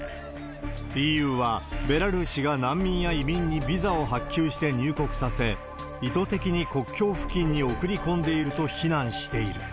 ＥＵは、ベラルーシが難民や移民にビザを発給して入国させ、意図的に国境付近に送り込んでいると避難している。